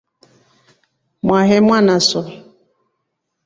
Mwahe mwanaso.